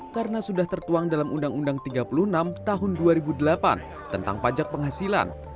karena sudah tertuang dalam undang undang tiga puluh enam tahun dua ribu delapan tentang pajak penghasilan